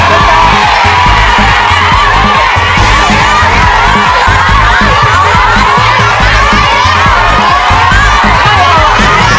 จริง